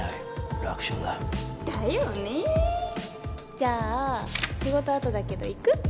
じゃあ仕事あとだけど行く？